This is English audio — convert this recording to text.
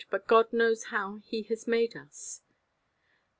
But God knows how He has made us.